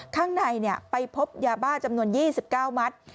ข้างในไปพบยาบ้าจำนวน๒๙มัตต์